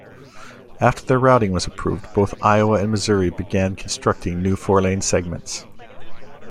After the routing was approved, both Iowa and Missouri began constructing new four-lane segments.